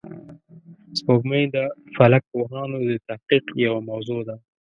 سپوږمۍ د فلک پوهانو د تحقیق یوه موضوع ده